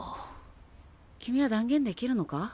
君は断言できるのか？